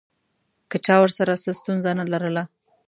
که چا ورسره څه ستونزه نه لرله.